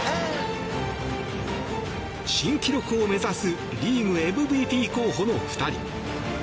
新記録を目指すリーグＭＶＰ候補の２人。